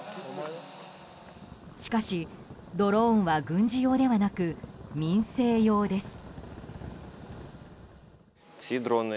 しかしドローンは軍事用ではなく民生用です。